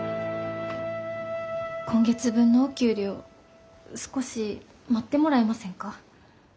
今月分のお給料少し待ってもらえませんか？